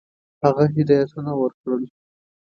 هغه هدایتونه ورکړل.